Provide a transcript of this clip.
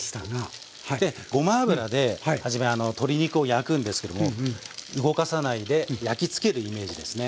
でごま油で初め鶏肉を焼くんですけども動かさないで焼き付けるイメージですね。